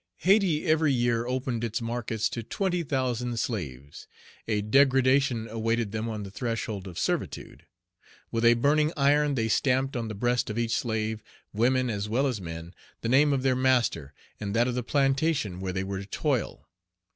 Hayti every year opened its markets to twenty thousand slaves. A degradation awaited them on the threshold of servitude. With a burning iron they stamped on the breast of each slave, women as well as men, the name of their master, and that of the plantation where they were to toil.